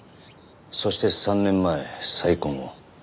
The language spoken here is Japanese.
そして３年前再婚を。